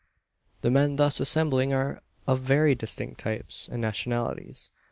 The men thus assembling are of many distinct types and nationalities.